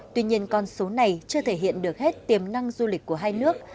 tuy nhiên con số này chưa thể hiện được hết tiềm năng du lịch của hai nước